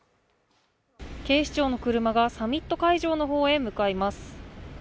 警視庁の車がサミット会場の方へ向かいます。